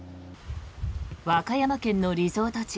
和歌山県のリゾート地